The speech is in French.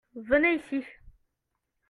Venez ici.